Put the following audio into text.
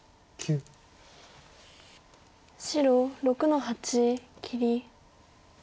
白６の八切り。